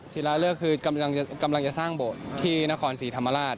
ศิราเลือกคือกำลังจะสร้างโบสถ์ที่นครศรีธรรมราช